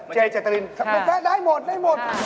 ได้หมดของเขาเล่นแต่เขา